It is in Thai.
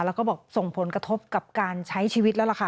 แล้วก็บอกส่งผลกระทบกับการใช้ชีวิตแล้วล่ะค่ะ